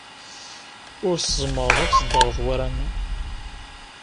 Ur tzemmreḍ ad teddreḍ war aman.